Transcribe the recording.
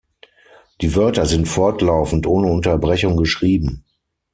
Die Wörter sind fortlaufend ohne Unterbrechung geschrieben.